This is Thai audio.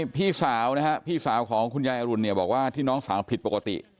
พี่สาวของคุณยายอรุณบอกว่าที่น้องสาวผิดปกติ